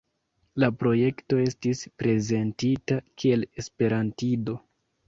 La projekto estis prezentita kiel esperantido.